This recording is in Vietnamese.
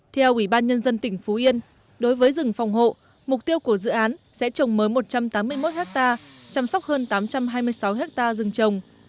theo ủy ban nhân dân tỉnh phú yên đối với rừng phòng hộ mục tiêu của dự án sẽ trồng mới một trăm tám mươi một hectare chăm sóc hơn tám trăm hai mươi sáu ha rừng trồng